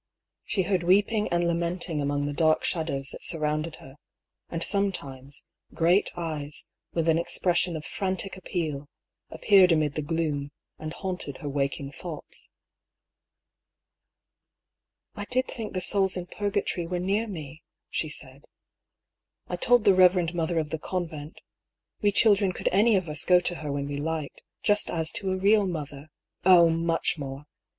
She heard weeping and lamenting among the dark shadows that surrounded her ; and sometimes great eyes, with an expression of frantic appeal, appeared amid the gloom, and haunted her waking thoughts. " I did think the souls in Purgatory were near me," she said. " I told the Eeverend Mother of the Convent. We children could any of us go to her when we liked, just as to a real mother. Oh, much more !